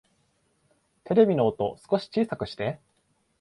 テレビの音、少し小さくして